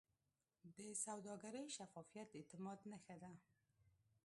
د سوداګرۍ شفافیت د اعتماد نښه ده.